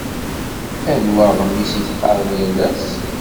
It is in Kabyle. Anwa aɣmis i teqqaṛem yal ass?